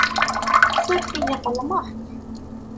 Suref-iyi ḍelmeɣ-k.